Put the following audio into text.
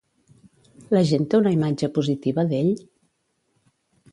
La gent té una imatge positiva d'ell?